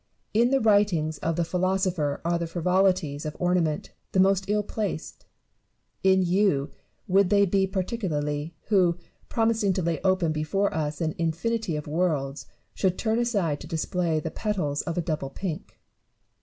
In the writings of the philosopher are the frivolities of ornament the most ill placed ; in you would they be particularly, who, promising to lay open before us an infinity of worlds, should turn aside to display the petals of a double pink.